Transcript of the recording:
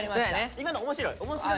今の面白い。